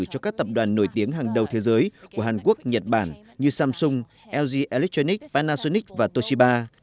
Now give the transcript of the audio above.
cho các tập đoàn nổi tiếng hàng đầu thế giới của hàn quốc nhật bản như samsung lg electronic panasonic và toshiba